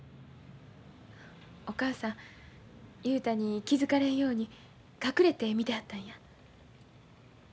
お母さん雄太に気付かれんように隠れて見てはったんや。